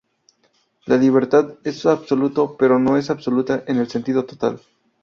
La libertad es un absoluto, pero no es absoluta en el sentido total.